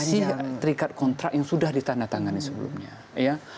masih terikat kontrak yang sudah ditandatangani sebelumnya